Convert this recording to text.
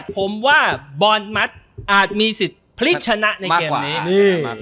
ผมว่าบอลมัสอาจมีสิทธิ์พลิกชนะในเกมนี้อืม